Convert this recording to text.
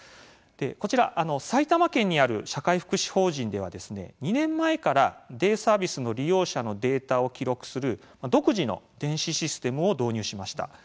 こちら、埼玉県にある社会福祉法人では２年前からデイサービスの利用者のデータを記録する独自の電子システムを導入しました。